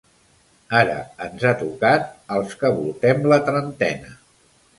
Ara ens ha tocat als que voltem la trentena.